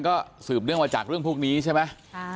ก็สืบเนื่องมาจากเรื่องพวกนี้ใช่ไหม